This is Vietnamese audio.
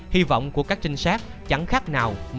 hy vọng của các trinh sát chẳng khác nào mò kim đáy bể